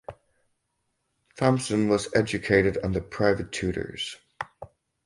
Thompson was educated under private tutors.